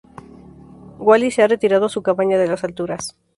Wally se ha retirado a su cabaña de las alturas.